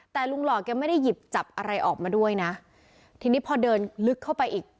แต่ลุงหล่อแกไม่ได้หยิบจับอะไรออกมาด้วยนะทีนี้พอเดินลึกเข้าไปอีก